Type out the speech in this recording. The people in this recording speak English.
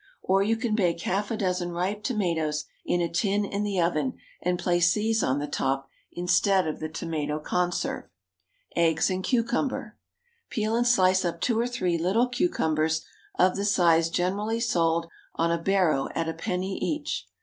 Or you can bake half a dozen ripe tomatoes in a tin in the oven, and place these on the top instead of the tomato conserve. EGGS AND CUCUMBER. Peel and slice up two or three little cucumbers of the size generally sold on a barrow at a penny each.